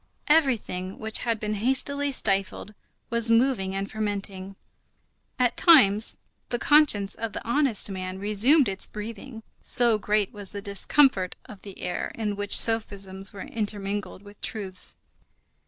Everything which had been hastily stifled was moving and fermenting. At times the conscience of the honest man resumed its breathing, so great was the discomfort of that air in which sophisms were intermingled with truths.